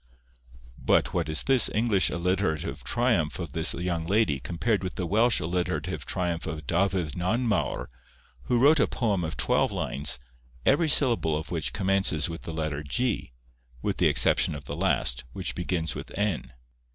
But what is this English alliterative triumph of the young lady compared with the Welsh alliterative triumph of Dafydd Nanmawr, who wrote a poem of twelve lines, every syllable of which commences with the letter g, with the exception of the last, which begins with n?